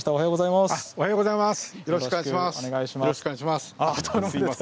おはようございます。